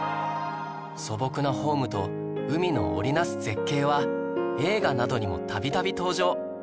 素朴なホームと海の織りなす絶景は映画などにも度々登場